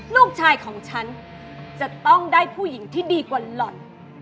ลูกชายของฉันจะต้องได้ผู้หญิงที่ดีกว่าหล่อน